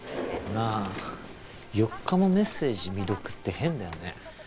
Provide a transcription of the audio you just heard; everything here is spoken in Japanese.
なあ４日もメッセージ未読って変だよね？